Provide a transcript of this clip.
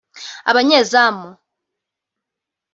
Abanyezamu